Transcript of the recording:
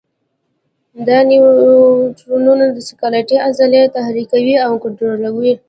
دا نیورونونه سکلیټي عضلې تحریکوي او کنټرولوي.